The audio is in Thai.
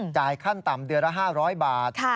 ขั้นต่ำเดือนละ๕๐๐บาท